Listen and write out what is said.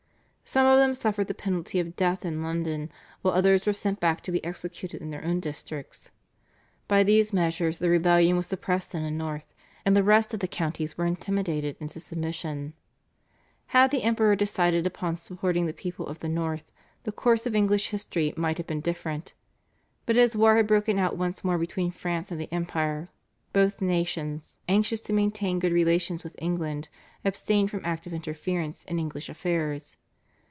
Some of them suffered the penalty of death in London, while others were sent back to be executed in their own districts. By these measures the rebellion was suppressed in the north, and the rest of the counties were intimidated into submission. Had the Emperor decided upon supporting the people of the north the course of English history might have been different, but as war had broken out once more between France and the empire, both nations, anxious to maintain good relations with England, abstained from active interference in English affairs.